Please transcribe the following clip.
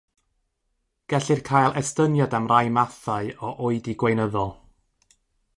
Gellir cael estyniad am rai mathau o oedi gweinyddol.